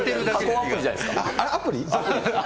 アプリ？